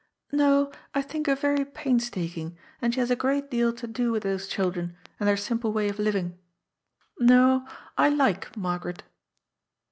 " No, I think her yery painstaking, and she has a great deal to do with those children, and their simple way of living. No, I like Margaret."